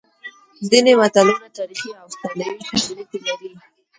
ځینې متلونه تاریخي او افسانوي شالید لري